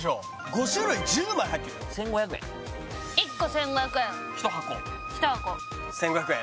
５種類１０枚入ってる１５００円１個１５００円１箱１５００円？